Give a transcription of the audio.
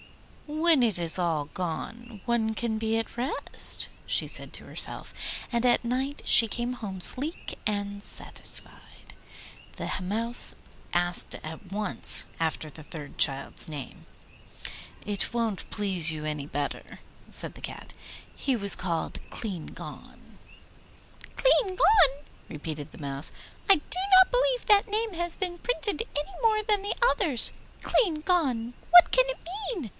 'When it is all gone one can be at rest,' she said to herself, and at night she came home sleek and satisfied. The Mouse asked at once after the third child's name. 'It won't please you any better,' said the Cat, 'he was called Clean Gone.' 'Cleangone!' repeated the Mouse. 'I do not believe that name has been printed any more than the others. Cleangone! What can it mean?